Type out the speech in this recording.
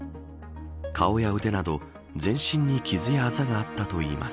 顔や腕など、全身に傷やあざがあったといいます。